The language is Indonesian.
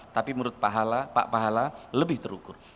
tapi menurut pak hala pak pahala lebih terukur